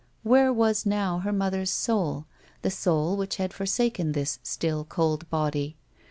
Where was now her mother's soul, the soul which had forsaken this still, cold body